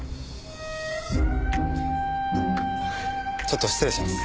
ちょっと失礼します。